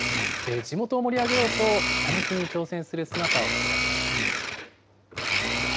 地元を盛り上げようと、ひたむきに挑戦する姿を取材しました。